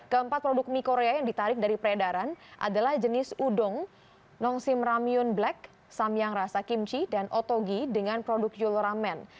keempat produk mie korea yang ditarik dari peredaran adalah jenis udong nongsim ramyun black samyang rasa kimchi dan otogi dengan produk yulloramen